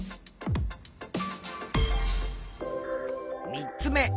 ３つ目。